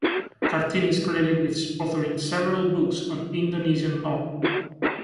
Kartini is credited with authoring several books on Indonesian law.